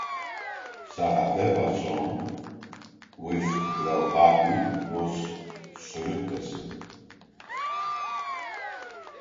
Sahadeva's son with Draupadi was Srutasen.